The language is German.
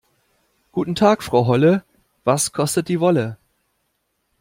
Guten Tag Frau Holle, was kostet die Wolle?